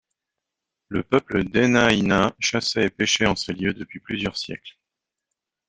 Le peuple Dena'ina chassait et pêchait en ces lieux depuis plusieurs siècles.